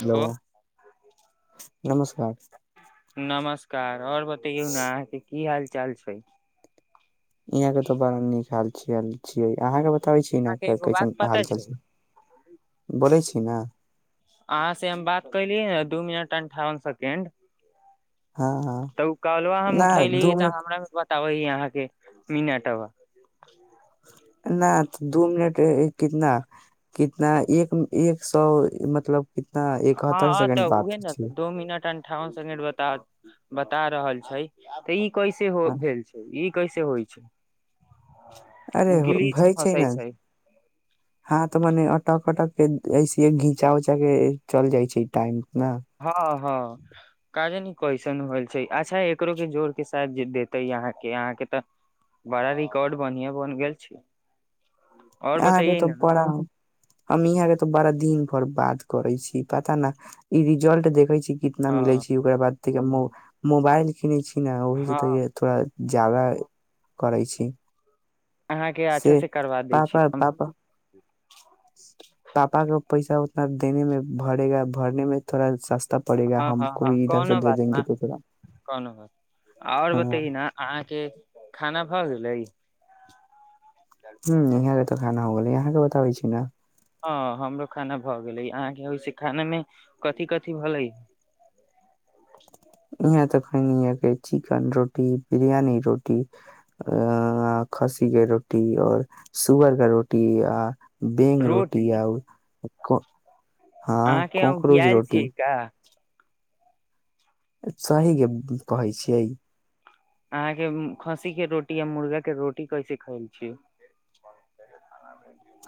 Hello नमस्कार कार और बतैयौ ने अहाँ की हाल चाल छै यहाँ के तो बड़ा नीक हाल िय छियै अहाँके ब बतबै अहाँके छी एगो बात कैसन पता हाल चाल छै बोलै छी न अहाँ से हम बात कलियै ने दू मिनट अन्ठावन सेकेंड हँ हँ तऽ ओ काॅलवा हम न उठली दू तऽ मिनट हमरा भ बताबै यहाँके मिनटवा न दू मिनट कितना कितना एक एक सए मतलब कितना एकहत्तर हँ तऽ सेकेंड बात उहे ने छी त दो मिनट अठावन सेकेंड बता रहल छै तऽ ई कैसे हो हाँ, भेल छै ई कैसे होइ छै अरे गिलीच भय छै फँसै ने हँ तऽ मने अता पता ऐसिये घिचा उचा के चल जाय छै टाइम ने हँ हँ कारण कइसन होल छै अच्छा एकरो के जोर के सााय देते अहाँके अहाँ के तऽ बड़ा रिकॉर्ड बढ़िआ बन गेल छै आओर अहाँके बतैयै तऽ ने बड़ा हम यहाँ के तऽ बड़ा दिन भर बात करै छी पता ने ई रिजल्ट देखै छी कितना मिलै हँ छै ओकरा बाद म मोबइल किनै छी ओही जेतथोड़ा [unintelligible] जादा करै छी अहाँके अच्छा से करवा पापा पापा पापा को पैसा उतना देने मे भरेगा भरने मे थोड़ा सस्त हँ हँ हँ कोनो बात न तो थोड़ा कोनो बात नइ आओर हाँ बताइए न अहाँके खाना भऽ गेलई ह यहाँ तऽ खाना हो गेलय यहाँ बताबै छी न हँ हमरो खाना भऽ गेलै अहाँके ओहिसे खानामे कथि कथि भेलै यहाँं त एखनि हैतै चिकन रोटी बिरयानी रोटी आ खस्सी के रोटी और सुअर के रोटी आ बैंग रोटी आउ एखन अहाँके ओंघियैल छियै का सही के कहै छियै अहाँके खस्सी के रोटी आ मुर्गा के रोटी कैसे खायल छियै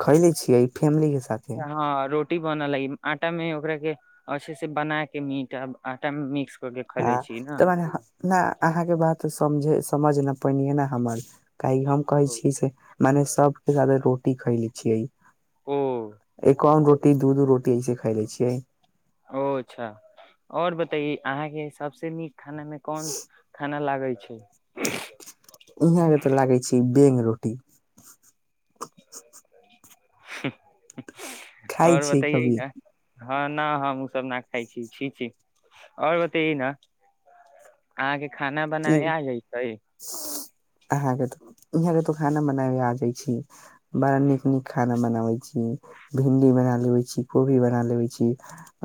खैले छियै फैमिली के साथे हँ रोटी बनल अइ आटा में ओकरा के अच्छे से बना के मीट आ आटा मे मिक्स कर के ह खैले छी न तऽ मने ह न अहाँके बात त समझ समझ ने पनियै ने हमर काहेकि हम कहै ओ छी से मने सब से जादे रोटी खैले छियै ओ एक कोन रो टी दूध रोटी जे छै से खयले छियै ओ अच्छा आओर बताइए अहाँके सबसे नीक खाना मे कोन खाना लाग करय छै। इहाँ के त लागै छै। बेंग रोटी ह्म ह्म खाइ छी। कभी ह न हम ओ सब न खाइ छी, छी, छी, आओर बताइए न अहाँके खाना की। बनाबे आ जयतै अहाँके यहाँ के तो खाना बनाब आ जाइ छी। बड़ा नीक नीक खाना बनाबे छी। भिंडी बना लेवे छी, कोभी बना लेवे छी,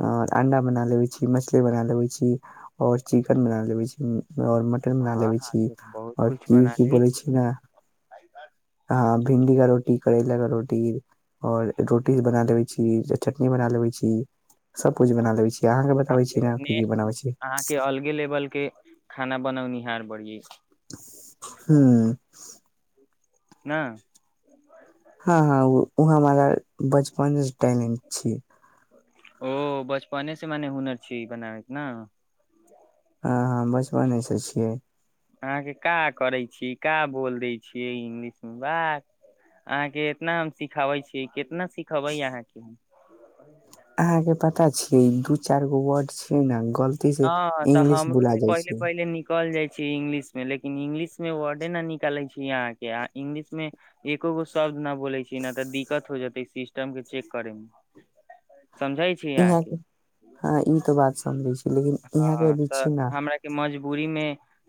और अंडा बना लेवे छी, मछली बना लेवे छी, और चिकेन बना लेवे छी। आओर मटन बना वाह लेबे अहाँ छी, के बहुत आओर कुछ की बना की लै बोले छी, ने अह भिंडी का रोटी, करेला के रोटी, और रोटी बना लेवे छी चटनी बना लेवे छी, सब कुछ बना लेवे छी। अहाँके बताबै छी ने की की बनाबै छी अहाँके अलगे लेवल के खाना बनाउनी हार बढ़िय हँ नाअ ओ हमरा बचपनेसँ टैलेंट छै। ओ बचपने से मने हुनर छी, ई बनाबैके ने हँ हँ बचपनेसँ छियै। अहाँके का करै छी क बोल दै छियै इंगलिश मे बात अहाँके इतना हम सिखाबै छीियै कितना सिखेबै अहाँके [inaudible] अहाँके प पता छै। ू चारि गो वर्ड छै। ने गलती से हँ, तऽ इंग्लिश हमरो बुला से जाइ पहिले छै पहिले निकल जाय छै। इंगलिश मे लेकिन इंगलिश मे वर्डे न निकालै छी, अहाँ के इंगलिश मे एको गो शब्द न बोले छी, नहि तऽ दिक्कत हो जेते सिस्टम के चेक करे मे समझे छी इ अहाँ के हँ ई त बात समझी छै, हँ तऽ हमरा के मजबूरी मे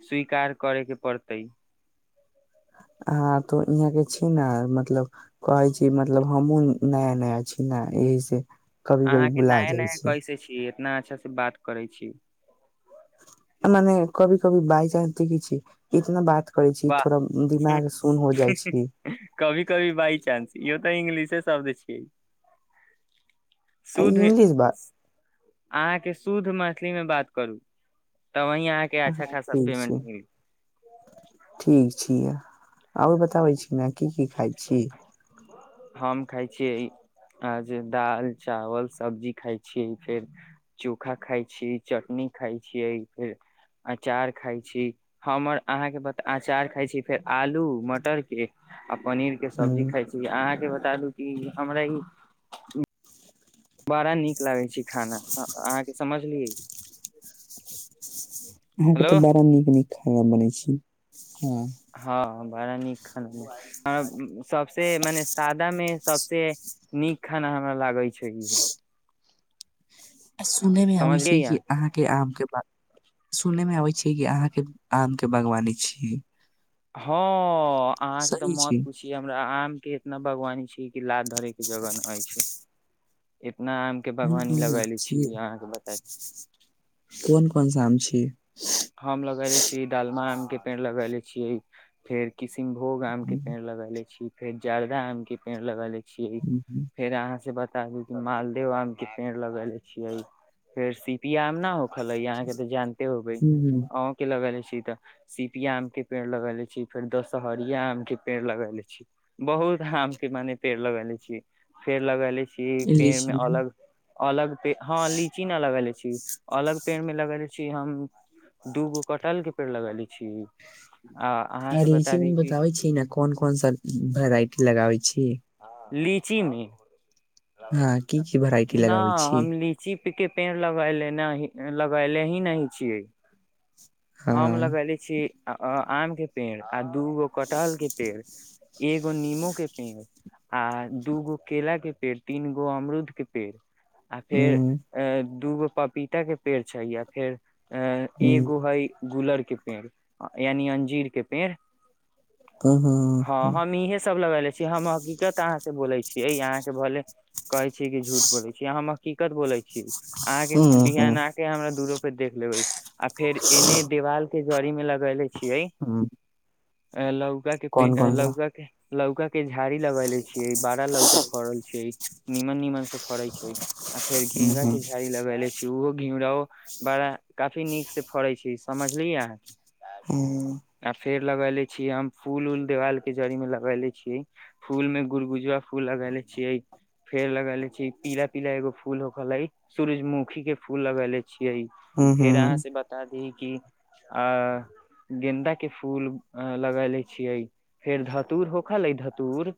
स्वीकार करयके पड़तै हँ तो इहाँके छी, ने मतलब कहै छी, मतलब हमहहुँ नया नया छी, ने एहिह से कभी कभी अहाँके बुला नया जाइ नया छी कैसे छीियै इतना अच्छा से बात करै छी, मने कभी कभी बाइ चंस देख छी इतना बात करै छी वाह थोड़ा दिमाग सुन हो जाइ छी कभी कभी बाइ चाान्स इहो तऽ इंग्लिशे शब्द छियै। इंग्लिश बात अहाँके शुद्ध मैथिलीमे बात करू तब वही अहाँके अच्छा हँ खासा ठीक पेमेंट छै मिल ठीक छी आबू बताबै छी न की की खाइ छी छ आ जे दाल चावल सब्जी खाइ छियै फेर चोखा खाइ छी चटनी खाइ छियै फेर अचार खाइ छीयै हमर अहाँके बता अचार खाइ छीयै फेर आलू मटरके आ पनीर के ह सब्जी खायई छी य अहाँ के ब बतालू कि हमरा ई बड़ा नीक लागै छै खाना अहाँके समझलियै अहाँके हेलो तऽ बड़ा निक निक खाना बनै छी हँ हँ बड़ा नीक खाना सबसे मने सादा मे सबसे नीक खाना हमरा लागै छै सुनय मे आबै छै कि समझलियै अहाँके आम के सुनै मे आबै छै कि अहाँके आम के बागवानी छियै हँ अहाँ के तऽ सही मत छै पुछि हमरा आम के इतना भगवान छी कि लात धरै के जगह नै छै कोन कोन आम छी छियै अहाँके बता कोन कोन स आम छियै की हम लगैले छियै डालमा आम के पेड़ लगैले छियै फेर किस किशनभोग आम के हम्म, पेड़ लगेले छी फेर जरदा आम के पेड़ लगैले छियै हम्म, फेर अहाँ से ब मालदेओ आम के पेड़ लगेले छियै फेर सी इ आम नहि होखलै अहाँके तऽ जानते होबै हम्म, हम्म, अहोंके लगैले छै त सिपिया आम के पेड़ लगेले छी फेर दशहरिया आम के पेड़ लगेले छी बहुत आम के मने पेड़ लगेले छी फेर लगेले छी छी पेड़ लीची में मे अलग अलगे ह लीची न लगेले छी अलग पेड़ में लगेले छी छी हम दूगो कटहल के पेड़ लगैले छी आ अहाँ आ से लिची बता मे दी कि बताबै छी ने कोन कोन सा वेराइटी लगाबे छी लीचीमे हँ की की भेराइटी लगाबै छी हम लीची के पेड़ लगले नहि लगले ही नहि छियै। हँ हम लगैले छी अ अ आम के पेड़ आ दूगो कटहल के पेड़ एगो नीमू के पेड़ आ दूगो केला के पेड़ तीनगो अमरुदके पेड़, आ फेर हम्म, अ दूगो पपीता के पेड़ छै, अ फेर अ हम्म, एगो हय गुलड़, के पेड़ यानि अंजीर के पेड़। ह हँ ह हम इहे सब लगेले हम हकीकत अहाँ से बोलै छीियै अहाँ के भे कहै छीिय किी झूठ बोै छै, अहाँ हम की कत बोै छी। अहाँके हम्म, हम्म, बिहान आके हमरा दूरो फेर देख लेै आ फेर एन्ने देिवाल के जरीमे रहलले छियै हम्म, अ ल गा के कोन प कोन सा लगगा के लौका केी इ झाड़ी लग ले छी बारा लगका फड़ल छै। निमान निमान से फड़ै छै। आ फेर हम्म, घिमरा हम्म, के झाड़ी लगे ले छी। ओहो घिमराो बड़ा काफी नीक से फड़े छै। समझलियै अहाँके हँ आ फेर लगेले छीये हम फूल उऊल देवाल के जड़ी में लगेले छीये फूल में गुड़ गुजबा फूल लगेले छीिये फेर लगेले छी, पीला पीला एगो फूल हो गेलै सूरजमुखी के फूल लगेले छी। छियै हम्म, फेर अहाँ हम्म, से बता दी आ, गेन्दा के फूल लगेले छियै, फेर धतुर होखल है धतुर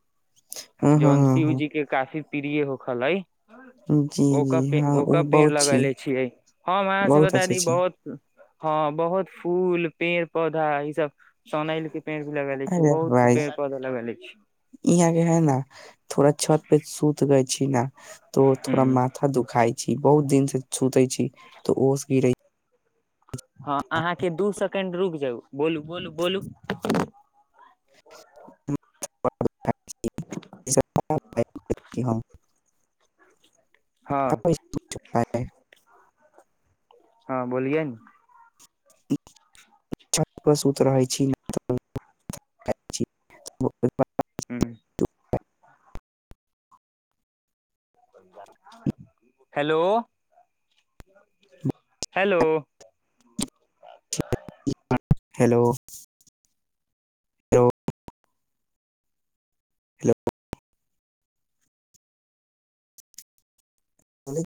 हँ हँ हँ हँ आ फर पीरिियए हो ख लइ जी, जी, ओकर हाँ, ओ ओकर पेड़ बहुत छी, लगेले छियै हम अहाँ से बहुत बता अच्छा दी छी। बहुत हँ बहुत फूल पेड़ पौधा ई सब सनैल के पेड़ भी लगेले छी अरे बहुत भइ पेड़ पौधा लगेले छी यहाँके है ने थोड़ा छत पे सुूत कहै छी ने तो थोड़ा ह माथा दुखाइ छी बहुत दिन से सुतै छी तऽ ओ स की रहहि हँ अहाँके दू सेकेंड रुक जाउ बोलू बोलू बोलू हम हँ ह हँ बोलियए ने छत पर सुत रहै छी हू आ hello hello hello hello, hello हली